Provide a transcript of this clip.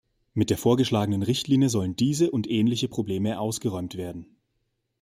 Mit der vorgeschlagenen Richtlinie sollen diese und ähnliche Probleme ausgeräumt werden.